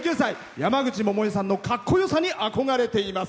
山口百恵さんのかっこよさに憧れています。